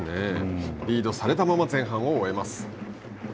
リードされたまま前半を終えます。